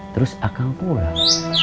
terus akang pulang